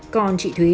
còn chị thúy